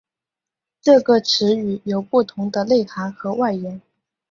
而这个词语有不同的内涵和外延。